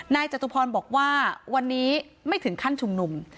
จตุพรบอกว่าวันนี้ไม่ถึงขั้นชุมนุม